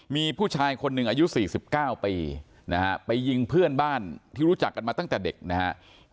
มีผู้ชายคนหนึ่งอายุ๔๙ปีนะฮะไปยิงเพื่อนบ้านที่รู้จักกันมาตั้งแต่เด็กนะครับ